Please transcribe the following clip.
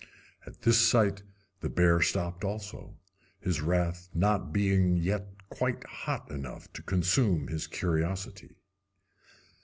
At this sight the bear stopped also, his wrath not being yet quite hot enough to consume his curiosity.